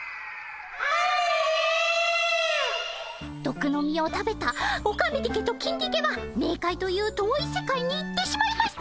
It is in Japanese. どくの実を食べたオカメディケとキンディケはメーカイという遠い世界に行ってしまいました